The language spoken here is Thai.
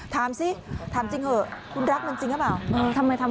ถามสิถามจริงเถอะคุณรักมันจริงหรือเปล่า